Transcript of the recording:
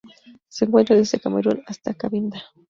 Se encuentra desde Camerún hasta Cabinda.